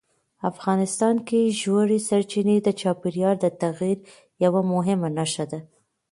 افغانستان کې ژورې سرچینې د چاپېریال د تغیر یوه مهمه نښه ده.